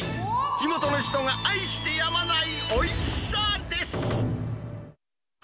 地元の人が愛してやまないおいしさです。